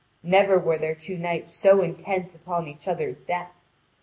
Never were there two knights so intent upon each other's death.